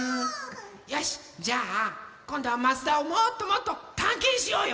よしじゃあこんどは益田をもっともっとたんけんしようよ！